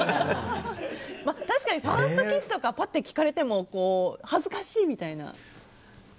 確かにファーストキスとか聞かれても恥ずかしいみたいな。